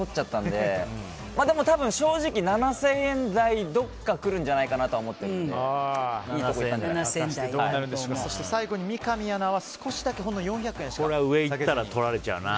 でも、多分正直７０００円台どこか来るんじゃないかなとは思ってるのでそして最後に三上アナは上いったらとられちゃうな。